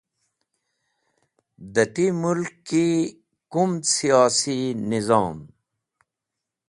De ti mulki kumd siyosi nizom?